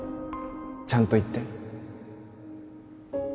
ちゃんと言って